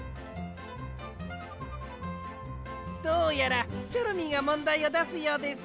どうやらチョロミーがもんだいをだすようです。